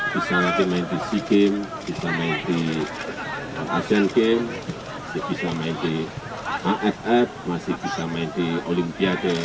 bisa nanti main di sea games bisa main di asean games bisa main di aff masih bisa main di olimpiade